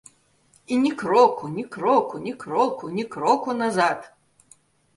І ні кроку, ні кроку, ні кроку, ні кроку назад.